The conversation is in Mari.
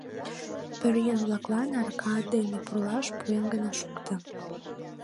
Пӧръеҥ-влаклан арака дене пурлаш пуэн гына шукто.